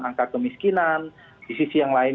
angka kemiskinan di sisi yang lain